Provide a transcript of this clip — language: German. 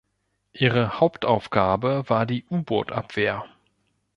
Ihre Hauptaufgabe war die U-Boot-Abwehr.